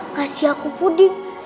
ngasih aku puding